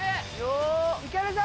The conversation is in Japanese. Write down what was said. いけるぞ！